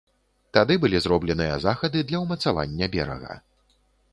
Тады былі зробленыя захады для ўмацавання берага.